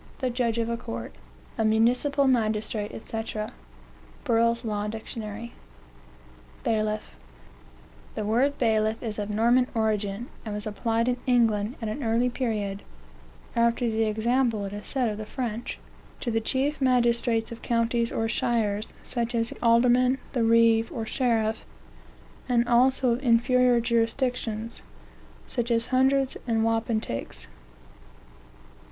The judge of a court. A municipal magistrate, &c. Burrill's Law Dict. BAILIFF The word bailiff is of Norman origin, and was applied in England, at an early period, (after the example, it is said, of the French,) to the chief magistrates of counties, or shires, such as the alderman, the reeve, or sheriff, and also of inferior jurisdictions, such as hundreds and wapentakes.